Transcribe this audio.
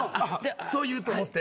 そう言うと思って。